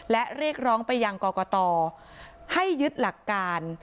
และเรียกร้องไปยังกรกตให้ยึดหลักการ